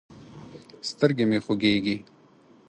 سترګې مې خوږېږي.